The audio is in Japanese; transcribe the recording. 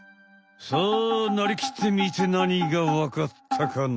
さあなりきってみてなにがわかったかな？